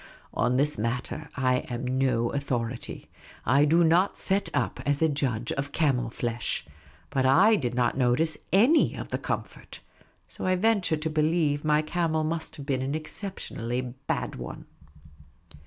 On this matter I am no authority. I do not set up as a judge of camel flesh. But I did not notice any of the comfort ; so T venture to believe my camel must have been an exceptionally bad one.